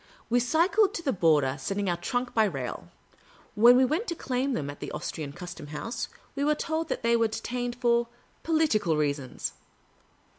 We cycled to the border, sending our trunks by rail. When we went to claim them at the Austrian Custom house, we were told that they were de tained " for political reasons."